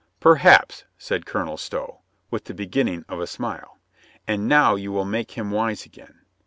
"Perhaps," said Colonel Stow, with the beginning of a smile. "And now you will make him wise again.